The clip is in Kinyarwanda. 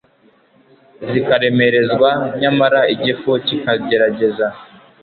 zikaremerezwa; nyamara igifu kikagerageza